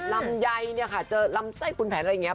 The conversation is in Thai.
ลำไยเนี่ยค่ะเจอลำไส้คุณแผนอะไรอย่างนี้